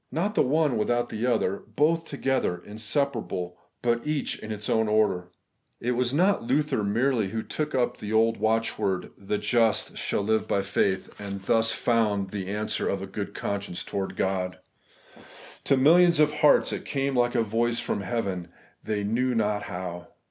Not the one without the other; both together, inseparable ; but each in its own order. It was not Luther merely who took up the old watchword, ' The just shall live by faith,' and thus vi Preface, found the answer of a good conscience toward God. To thousands of hearts it came like a voice from heaven, they knew not how.